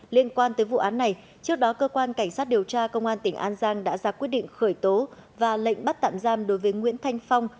liên quan tới vụ án này trước đó cơ quan cảnh sát điều tra công an tỉnh an giang đã ra quyết định khởi tố và lệnh bắt tạm giam đối với nguyễn thanh phong